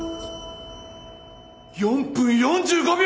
４分４５秒！